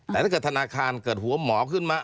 แต่ถ้าเกิดธนาคารเกิดหัวหมอขึ้นมา